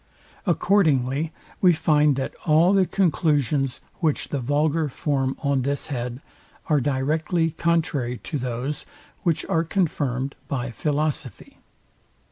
Accordingly we find, that all the conclusions, which the vulgar form on this head, are directly contrary to those, which are confirmed by philosophy.